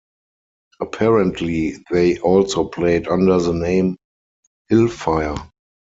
Apparently, they also played under the name Hill-Fire.